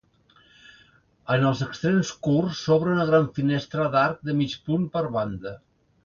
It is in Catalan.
En els extrems curts s'obre una gran finestra d'arc de mig punt per banda.